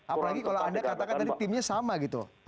apalagi kalau anda katakan tadi timnya sama gitu